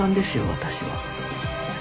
私は。